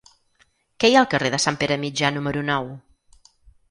Què hi ha al carrer de Sant Pere Mitjà número nou?